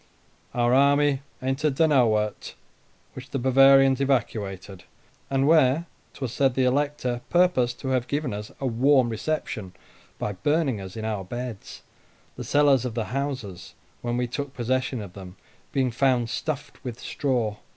Our army entered Donauwort, which the Bavarians evacuated; and where 'twas said the Elector purposed to have given us a warm reception, by burning us in our beds; the cellars of the houses, when we took possession of them, being found stuffed with straw.